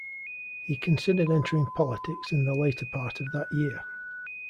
He considered entering politics in the later part of that year.